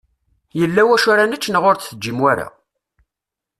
Yella wacu ara nečč neɣ ur d-teǧǧim wara?